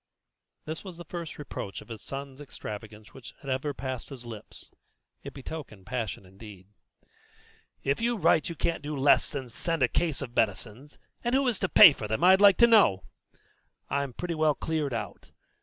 (This was the first reproach of his son's extravagance which had ever passed his lips; it betokened passion indeed.) "If you write you can't do less than send a case of medicines, and who is to pay for them, I'd like to know? I'm pretty well cleared out.